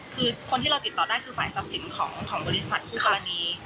คือคนที่เราติดต่อได้คือฝ่ายศัพท์สินของบริษัททุกวันนี้